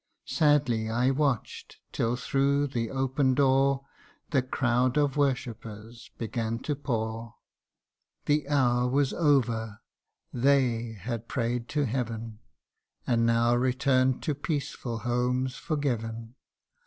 Sadly I watch'd till through the open door The crowd of worshippers began to pour ; The hour was over they had pray'd to Heaven, And now return'd to peaceful homes forgiven ; 21 22 THE UNDYING ONE.